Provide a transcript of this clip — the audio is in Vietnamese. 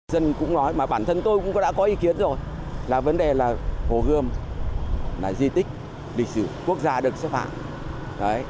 dân cũng nói mà bản thân tôi cũng đã có ý kiến rồi là vấn đề là hồ gươm là di tích lịch sử quốc gia được xếp hạng